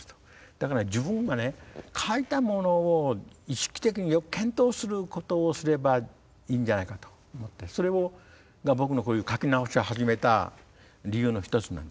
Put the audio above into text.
だから自分は書いたものを意識的によく検討することをすればいいんじゃないかと思ってそれが僕のこういう書き直しを始めた理由の一つなんです。